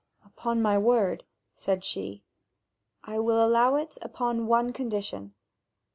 "Upon my word," said she, "I will allow it upon one condition."